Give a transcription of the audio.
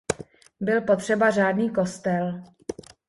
Byl potřeba řádný kostel.